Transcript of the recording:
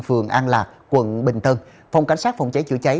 phường an lạc quận bình tân phòng cảnh sát phòng cháy chữa cháy